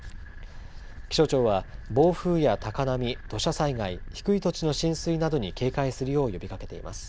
気象庁は暴風や高波、土砂災害、低い土地の浸水などに警戒するよう呼びかけています。